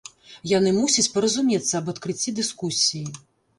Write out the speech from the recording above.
Яны мусяць паразумецца аб адкрыцці дыскусіі.